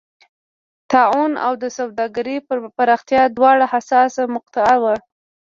طاعون او د سوداګرۍ پراختیا دواړه حساسه مقطعه وه.